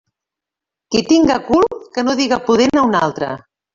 Qui tinga cul que no diga pudent a un altre.